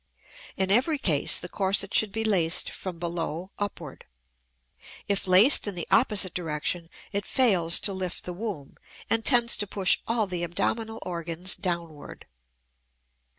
In every case the corset should be laced from below upward; if laced in the opposite direction it fails to lift the womb and tends to push all the abdominal organs downward.